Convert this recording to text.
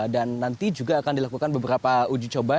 dan nanti juga akan dilakukan beberapa uji coba